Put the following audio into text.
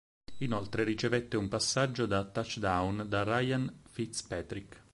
Inoltre ricevette un passaggio da touchdown da Ryan Fitzpatrick.